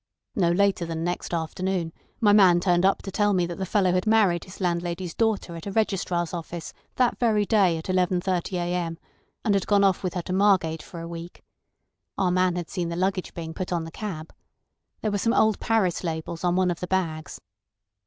No later than next afternoon my man turned up to tell me that the fellow had married his landlady's daughter at a registrar's office that very day at 11.30 a.m., and had gone off with her to Margate for a week. Our man had seen the luggage being put on the cab. There were some old Paris labels on one of the bags.